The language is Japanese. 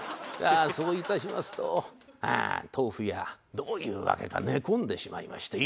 そういたしますと豆腐屋どういうわけか寝込んでしまいまして５日も寝込む。